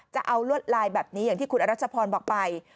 จะเอาลวดลายแบบนี้อย่างที่คุณอรัชพรบอกไป